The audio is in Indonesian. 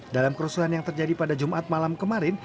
dalam kerusuhan yang terjadi pada jumat malam kemarin